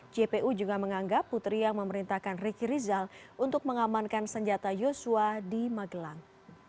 jpu juga menganggap putri yang memerintahkan riki rizal untuk mengamankan senjata yosua di magelang